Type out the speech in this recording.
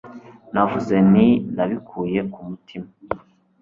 Navuze nti Ndabikuye ku mutima